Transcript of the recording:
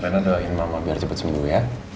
nanti doain mama biar cepet sembuh ya